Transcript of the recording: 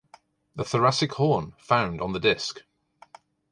A thoracic horn found on the disc.